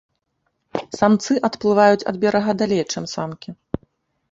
Самцы адплываюць ад берага далей, чым самкі.